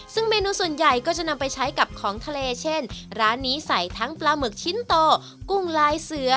ซึ่งเมนูส่วนใหญ่ก็จะนำไปใช้กับของทะเลเช่นร้านนี้ใส่ทั้งปลาหมึกชิ้นโตกุ้งลายเสือ